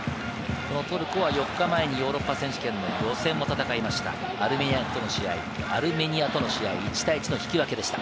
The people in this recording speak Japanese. トルコは４日前にヨーロッパ選手権の予選を戦いました、アルメニアとの試合、１対１の引き分けでした。